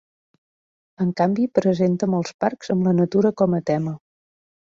En canvi, presenta molts parcs amb la natura com a tema.